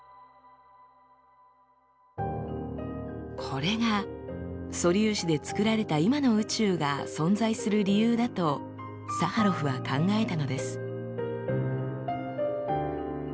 これが素粒子でつくられた今の宇宙が存在する理由だとサハロフは考えたのです。